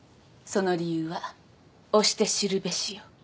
その理由は推して知るべしよ。